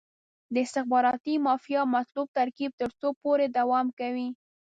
د استخباراتي مافیا مطلوب ترکیب تر څو پورې دوام کوي.